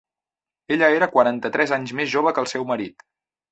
Ella era quaranta-tres anys més jove que el seu marit.